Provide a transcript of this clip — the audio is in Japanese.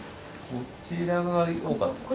こちらが多かったですね。